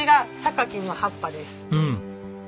うん。